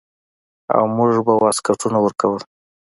او موږ به واسکټونه ورکول.